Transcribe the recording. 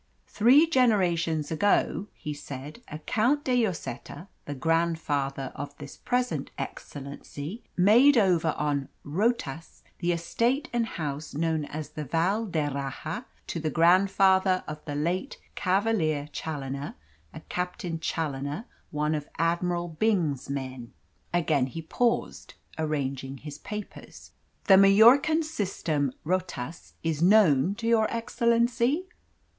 "Three generations ago," he said, "a Count de Lloseta, the grandfather of this present excellency, made over on 'rotas' the estate and house known as the Val d'Erraha to the grandfather of the late Cavalier Challoner a Captain Challoner, one of Admiral Byng's men." Again he paused, arranging his papers. "The Majorcan system 'rotas' is known to your excellency?"